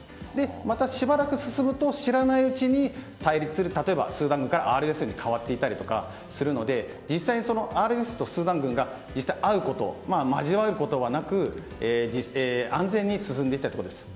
またしばらく進むと知らないうちに、対立する例えばスーダン軍からＲＳＦに変わったりするので実際にＲＳＦとスーダン軍が交わることはなく安全に進んでいったということです。